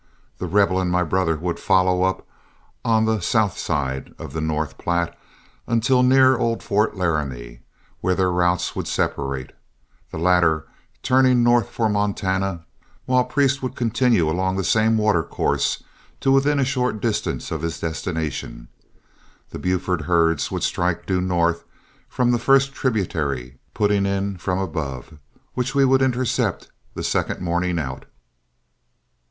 The Rebel and my brother would follow up on the south side of the North Platte until near old Fort Laramie, when their routes would separate, the latter turning north for Montana, while Priest would continue along the same watercourse to within a short distance of his destination. The Buford herds would strike due north from the first tributary putting in from above, which we would intercept the second morning out.